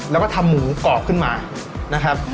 แล้วก็ทำหมูกรอบขึ้นมานะครับ